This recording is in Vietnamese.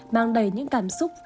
mang đầy những cảm xúc